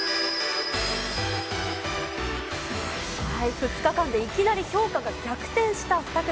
２日間でいきなり評価が逆転した２組。